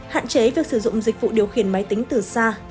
hạn chế việc sử dụng dịch vụ điều khiển máy tính từ xa